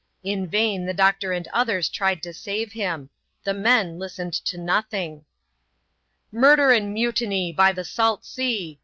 In vain the doctor and others tried to save him : the men listened to nothing. " Murder and mutiny, by the salt sea